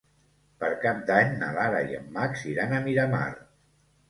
Per Cap d'Any na Lara i en Max iran a Miramar.